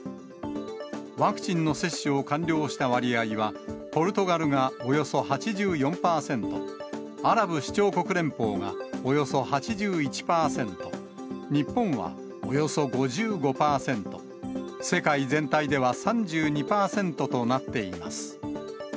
ワクチンの接種を完了した割合は、ポルトガルがおよそ８４％、アラブ首長国連邦がおよそ８１％、日本はおよそ５５％、世界全体では３２％となっています。